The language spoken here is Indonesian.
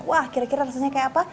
wah kira kira rasanya kayak apa